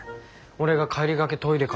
俺が帰りがけトイレ